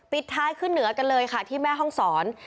ท้ายขึ้นเหนือกันเลยค่ะที่แม่ห้องศร